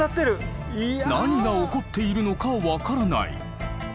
何が起こっているのか分からない。